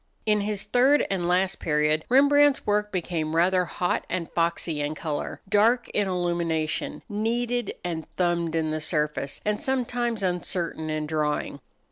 In his third and last period Rembrandt's work became rather hot and foxy in color, dark in illumination, kneaded and thumbed in the surface, and sometimes uncertain in drawing.